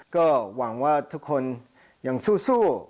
ก็หวังว่าทุกคนยังสู้